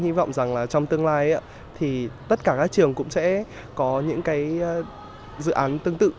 em hy vọng rằng trong tương lai thì tất cả các trường cũng sẽ có những dự án tương tự